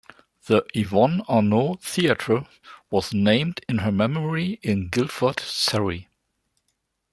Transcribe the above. The Yvonne Arnaud Theatre was named in her memory in Guildford, Surrey.